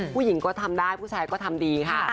ผู้หญิงก็ทำได้ผู้ชายก็ทำดีค่ะ